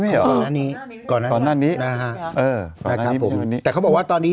ก่อนหน้านี้ก่อนหน้านี้นะฮะเออนะครับผมแต่เขาบอกว่าตอนนี้